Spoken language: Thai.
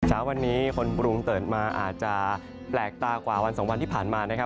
เช้าวันนี้คนกรุงตื่นมาอาจจะแปลกตากว่าวันสองวันที่ผ่านมานะครับ